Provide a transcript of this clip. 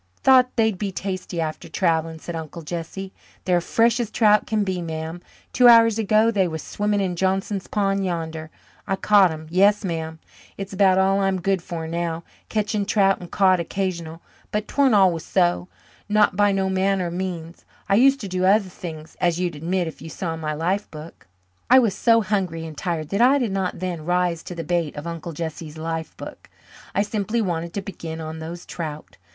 "Thought they'd be tasty after travelling," said Uncle Jesse. "They're fresh as trout can be, ma'am. Two hours ago they was swimming in Johnson's pond yander. I caught 'em yes, ma'am. It's about all I'm good for now, catching trout and cod occasional. But 'tweren't always so not by no manner of means. I used to do other things, as you'd admit if you saw my life book." I was so hungry and tired that I did not then "rise to the bait" of Uncle Jesse's "life book." I simply wanted to begin on those trout.